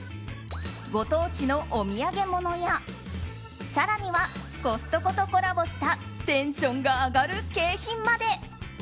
ご当地のお土産物や更にはコストコとコラボしたテンションが上がる景品まで。